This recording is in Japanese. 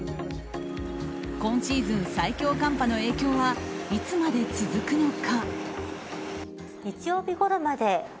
今シーズン最強寒波の影響はいつまで続くのか。